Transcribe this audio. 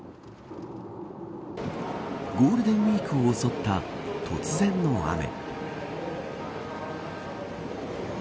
ゴールデンウイークを襲った突然の雨。